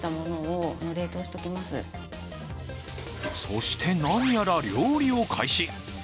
そして、何やら料理を開始。